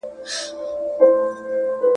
د مرګ په خوب به چېرته ویده یم .